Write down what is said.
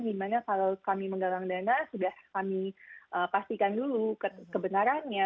dimana kalau kami menggalang dana sudah kami pastikan dulu kebenarannya